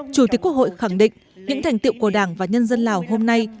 chủ tịch quốc hội khẳng định những thành tiệu của đảng và nhân dân lào hôm nay